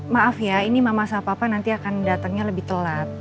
maaf ya ini mama sama papa nanti akan datengnya lebih telat